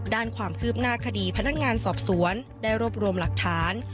ด้านความคืบหน้าคดีพนักงานสอบสวนได้รวบรวมหลักฐาน